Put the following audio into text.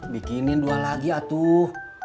bikinin dua lagi atuh